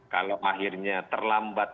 kalau akhirnya terlambat